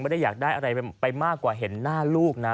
อยากได้อะไรไปมากกว่าเห็นหน้าลูกนะ